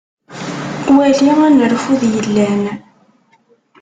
Wali anerfud yellan.